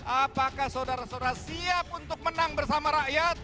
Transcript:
apakah saudara saudara siap untuk menang bersama rakyat